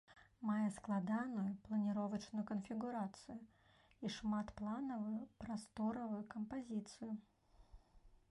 Мае складаную планіровачную канфігурацыю і шматпланавую прасторавую кампазіцыю.